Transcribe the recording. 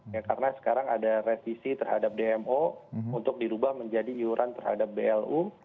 ya karena sekarang ada revisi terhadap dmo untuk dirubah menjadi iuran terhadap blu